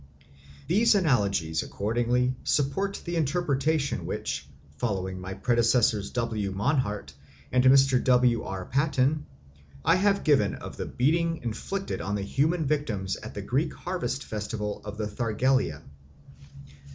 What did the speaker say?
These analogies, accordingly, support the interpretation which, following my predecessors W. Mannhardt and Mr. W. R. Paton, I have given of the beating inflicted on the human victims at the Greek harvest festival of the Thargelia.